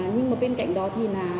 nhưng mà bên cạnh đó thì là